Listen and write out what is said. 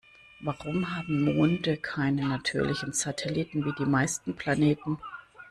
Warum haben Monde keine natürlichen Satelliten wie die meisten Planeten?